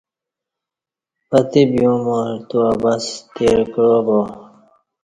پتہ بی عمر تو عبث تیر کعہ با